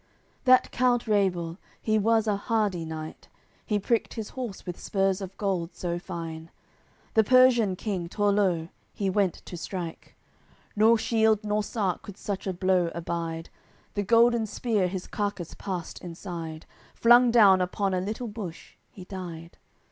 AOI. CCXLI That count Rabel, he was a hardy knight, He pricked his horse with spurs of gold so fine, The Persian king, Torleu, he went to strike. Nor shield nor sark could such a blow abide; The golden spear his carcass passed inside; Flung down upon a little bush, he died.